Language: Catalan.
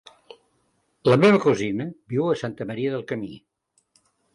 La meva cosina viu a Santa Maria del Camí.